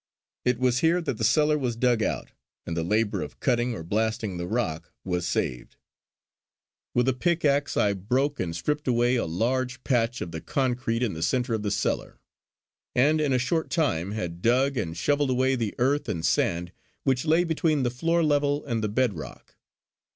It was here that the cellar was dug out, and the labour of cutting or blasting the rock saved. With a pick axe I broke and stripped away a large patch of the concrete in the centre of the cellar, and in a short time had dug and shovelled away the earth and sand which lay between the floor level and the bed rock.